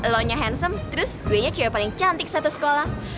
lo nya hansem terus gue nya cewek paling cantik satu sekolah